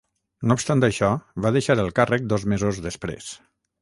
No obstant això, va deixar el càrrec dos mesos després.